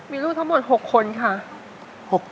มีลูกทั้งหมด๖คนค่ะ